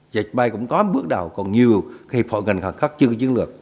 dạy bay cũng có một bước đầu còn nhiều hiệp hội ngành hoặc khác chưa có chiến lược